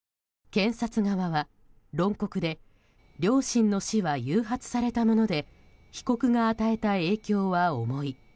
検察側は論告で両親の死は誘発されたもので被告が与えた影響は重い。